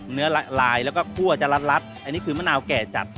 ละลายแล้วก็คั่วจะรัดอันนี้คือมะนาวแก่จัด